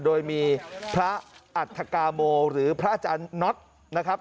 โดยมีพระอัฐกาโมหรือพระอาจารย์น็อตนะครับ